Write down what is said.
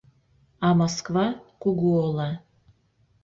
А Москва — кугу ола.